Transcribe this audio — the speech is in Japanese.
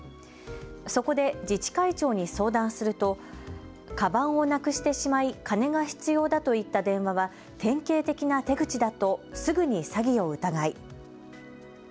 そこで自治会長に相談するとかばんをなくしてしまい金が必要だといった電話は典型的な手口だとすぐに詐欺を疑い。